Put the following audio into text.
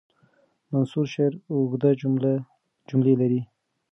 منثور شعر اوږده جملې لري.